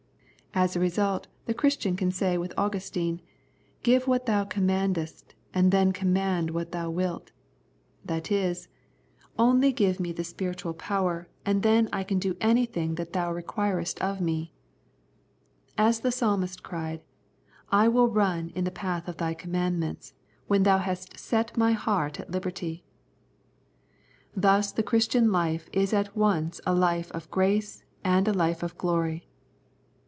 '^^ As a result, the Christian can say with Augustine :" Give what Thou commandest and then command what Thou wilt." That is :" Only give me the spiritual power, and 36 Approbation and Blessing then I can do anything that Thou requirest of me." As the Psalmist cried :" I will run in the path of Thy commandments, when Thou hast set my heart at liberty." Thus the Christian life is at once a life of Grace and a life of Glory.